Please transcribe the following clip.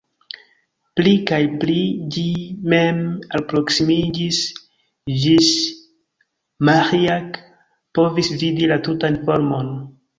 Pli kaj pli ĝi mem alproksimiĝis, ĝis Maĥiac povis vidi la tutan formon.